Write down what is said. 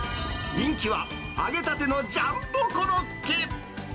人気は揚げたてのジャンボコロッケ。